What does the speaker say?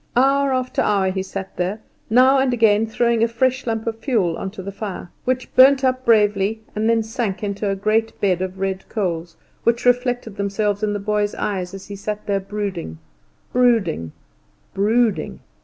Hour after hour he sat there, now and again throwing a fresh lump of fuel on to the fire, which burnt up bravely, and then sank into a great bed of red coals, which reflected themselves in the boy's eyes as he sat there brooding, brooding, brooding.